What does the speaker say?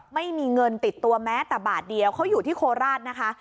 ไม่มีเงินติดตัวแม้แต่บาทเดียวเขาอยู่ที่โคราชนะคะ